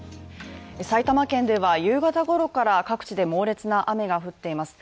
埼玉県では夕方ごろから各地で猛烈な雨が降っています。